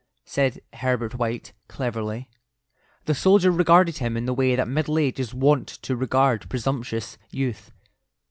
said Herbert White, cleverly. The soldier regarded him in the way that middle age is wont to regard presumptuous youth.